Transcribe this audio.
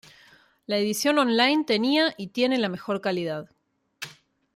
La edición on-line tenía y tiene la mejor calidad.